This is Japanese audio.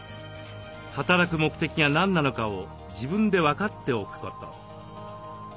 働く目的が何なのかを自分で分かっておくこと。